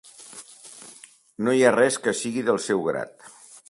No hi ha res que sigui del seu grat.